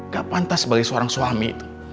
gak pantas sebagai seorang suami